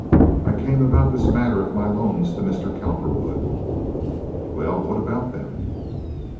"I came about this matter of my loans to Mr. Cowperwood." "Well, what about them?"